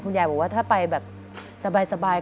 คุณยายออกตัวว่าถ้าไปสบายก็ยังผ่อนคลายได้บ้าง